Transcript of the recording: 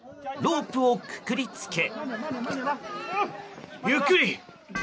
ロープをくくりつけ。